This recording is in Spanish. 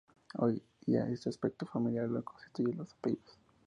Hoy día ese aspecto familiar lo constituyen los apellidos.